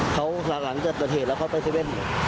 อ๋อเขาหลังจากประเทศแล้วเข้าไปเซเว่น